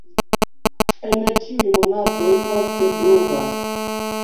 En ĉiuj monatoj ofte pluvas.